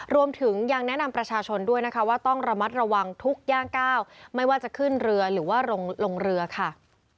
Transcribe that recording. รวมถึงยังแนะนำประชาชนด้วยนะคะว่าต้องระมัดระวังทุกย่างก้าวไม่ว่าจะขึ้นเรือหรือว่าลงเรือค่ะ